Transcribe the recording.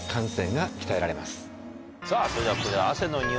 さぁそれではここで。